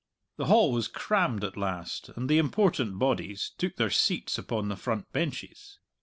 The hall was crammed at last, and the important bodies took their seats upon the front benches.